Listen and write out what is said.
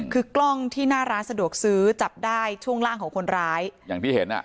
คือกล้องที่หน้าร้านสะดวกซื้อจับได้ช่วงล่างของคนร้ายอย่างที่เห็นอ่ะ